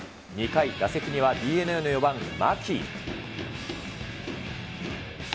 ２回、打席にはＤｅＮＡの４番牧。